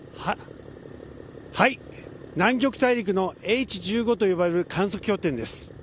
南極大陸のＨ１５と呼ばれる観測拠点です。